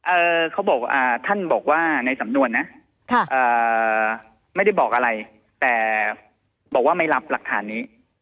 เขาบอกว่าท่านบอกว่าในสำนวนนะค่ะเอ่อไม่ได้บอกอะไรแต่บอกว่าไม่รับหลักฐานนี้